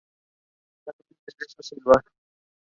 The two winners advance to the final.